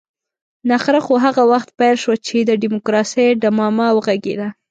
نخره خو هغه وخت پيل شوه چې د ډيموکراسۍ ډمامه وغږېده.